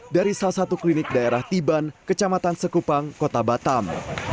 dari salah satu klinik daerah tiban kecamatan sekupang kota batam